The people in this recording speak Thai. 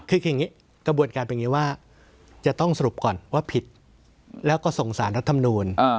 คืออย่างนี้กระบวนการเป็นอย่างนี้ว่าจะต้องสรุปก่อนว่าผิดแล้วก็ส่งสารรัฐมนูล